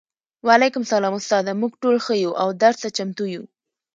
وعلیکم السلام استاده موږ ټول ښه یو او درس ته چمتو یو